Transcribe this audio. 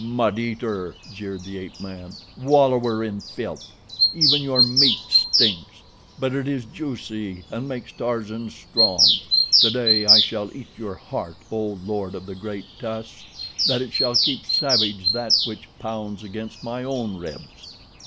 "Mud eater!" jeered the ape man. "Wallower in filth. Even your meat stinks, but it is juicy and makes Tarzan strong. Today I shall eat your heart, O Lord of the Great Tusks, that it shall keep savage that which pounds against my own ribs."